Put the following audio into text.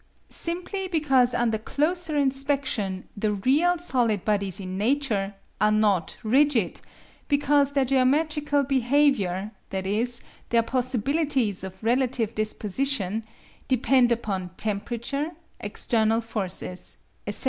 Simply because under closer inspection the real solid bodies in nature are not rigid, because their geometrical behaviour, that is, their possibilities of relative disposition, depend upon temperature, external forces, etc.